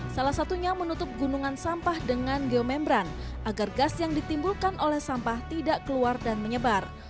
salah satunya menutup gunungan sampah dengan geomembran agar gas yang ditimbulkan oleh sampah tidak keluar dan menyebar